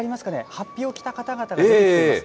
はっぴを着た方々が出てきます。